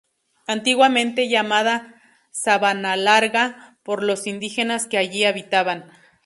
Antiguamente llamada Sabanalarga por los indígenas que allí habitaban.